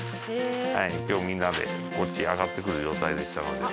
今日みんなでこっちへ上がってくる状態でしたので。